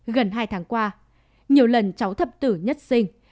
gần hai tháng qua nhiều lần cháu thập tử nhất sinh